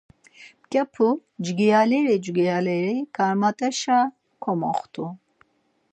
Mǩyapu cgiyaleri cgiyaleri karmat̆eşa komoxtu.